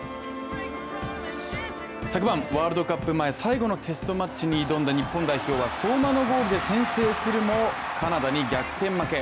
昨晩、ワールドカップ前最後のテストマッチに挑んだ日本代表は相馬のゴールで先制するもカナダに逆転負け。